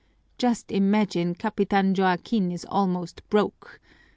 Just imagine, Capitan Joaquin is almost broke.